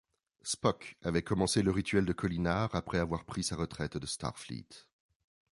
Spock avait commencé le rituel de kolinahr après avoir pris sa retraite de Starfleet.